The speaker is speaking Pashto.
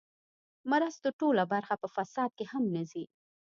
مرستو ټوله برخه په فساد کې هم نه ځي.